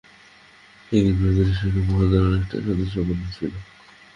এতদিন বিনোদিনীর সঙ্গে মহেন্দ্রের অনেকটা স্বাধীন সম্বন্ধ ছিল।